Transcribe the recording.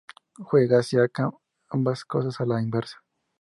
Joe hacía ambas cosas a la inversa.